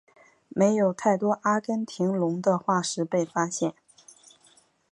没有太多阿根廷龙的化石被发现。